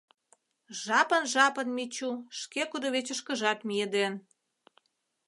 Жапын-жапын Мичу шке кудывечышкыжат миеден.